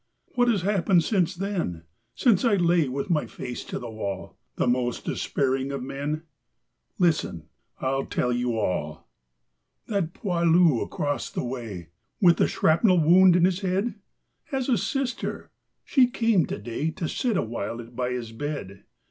. What has happened since then, Since I lay with my face to the wall, The most despairing of men? Listen! I'll tell you all. That 'poilu' across the way, With the shrapnel wound in his head, Has a sister: she came to day To sit awhile by his bed.